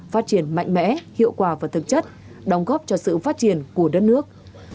phát triển mạnh mẽ hiệu quả và thực chất đóng góp cho sự phát triển của đất nước